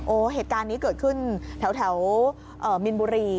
โอ้โหเหตุการณ์นี้เกิดขึ้นแถวมินบุรี